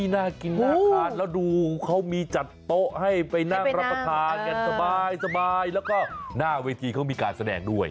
น่ากินน่าทานแล้วดูเขามีจัดโต๊ะให้ไปนั่งรับประทานกันสบายแล้วก็หน้าเวทีเขามีการแสดงด้วย